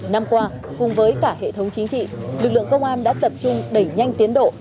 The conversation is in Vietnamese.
năm qua cùng với cả hệ thống chính trị lực lượng công an đã tập trung đẩy nhanh tiến độ